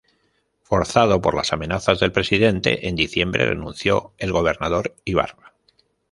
Forzado por las amenazas del presidente, en diciembre renunció el gobernador Ibarra.